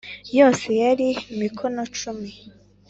yose yari mikono cumi